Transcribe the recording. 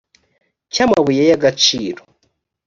cy amabuye y agaciro